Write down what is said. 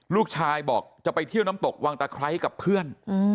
ลูกชายบอกจะไปเที่ยวน้ำตกวังตะไคร้กับเพื่อน